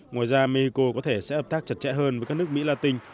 ngoài ra mexico có thể sẽ hợp tác chặt chẽ hơn với các nước mỹ latin